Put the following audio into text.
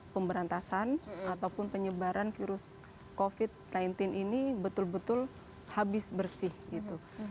pemberantasan ataupun penyebaran virus covid sembilan belas ini betul betul habis bersih gitu